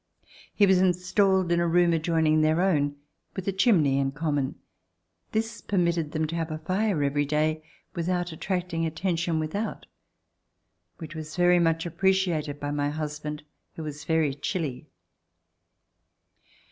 He was in stalled in a room adjoining their own, with a chimney in common. This permitted them to have a fire every day without attracting attention without, which was very much appreciated by my husband who was very chilly.